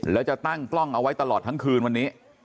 แล้วจะตั้งกล้องเอาไว้ตลอดทั้งคืนวันนี้